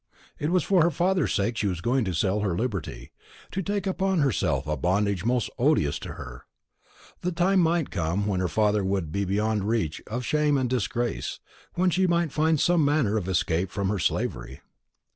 It was for her father's sake she was going to sell her liberty, to take upon herself a bondage most odious to her. The time might come when her father would be beyond the reach of shame and disgrace, when she might find some manner of escape from her slavery.